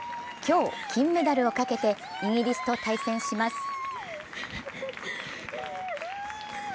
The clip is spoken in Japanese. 今日、金メダルをかけてイギリスと対戦します。